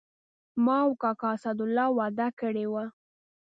ما او کاکا اسدالله وعده کړې وه.